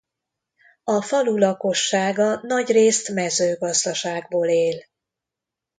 A falu lakossága nagyrészt mezőgazdaságból él.